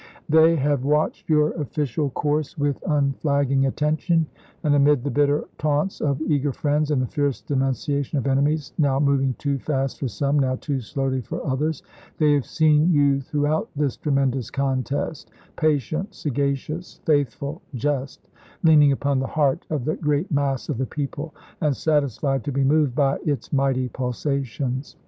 " They have watched your official course ... with unflag ging attention; and amid the bitter taunts of eager friends and the fierce denunciation of ene mies, now moving too fast for some, now too slowly for others, they have seen you through out this tremendous contest patient, sagacious, faithful, just ; leaning upon the heart of the great mass of the people, and satisfied to be moved by its mighty pulsations.